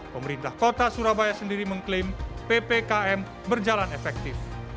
pemerintah kota surabaya sendiri mengklaim ppkm berjalan efektif